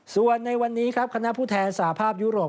ส่วนในวันนี้ครับคณะผู้แทนสาภาพยุโรป